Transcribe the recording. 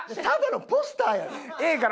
ただのポスターやねん。